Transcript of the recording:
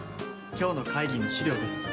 今日の会議の資料です。